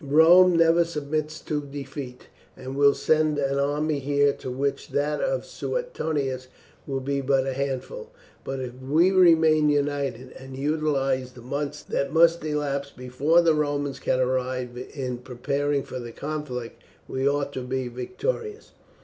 Rome never submits to defeat, and will send an army here to which that of Suetonius would be but a handful. But if we remain united, and utilize the months that must elapse before the Romans can arrive in preparing for the conflict, we ought to be victorious."